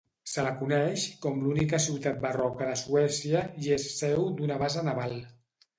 Se la coneix com l'única ciutat barroca de Suècia i és seu d'una base naval.